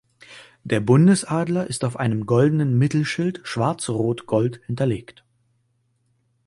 Der Bundesadler ist auf einem goldenen Mittelschild schwarz rot gold hinterlegt.